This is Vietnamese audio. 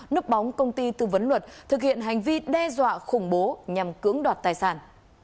núp bóng công ty tư vấn luật thực hiện hành vi đe dọa khủng bố nhằm cưỡng đoạt tài sản